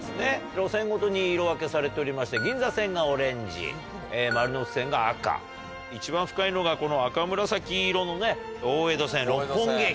路線ごとに色分けされておりまして銀座線がオレンジ丸ノ内線が赤一番深いのがこの赤紫色のね大江戸線六本木駅。